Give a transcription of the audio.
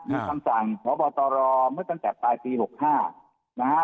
มีคำสั่งพบตรเมื่อตั้งแต่ปลายปี๖๕นะฮะ